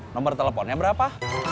nomor teleponnya berapa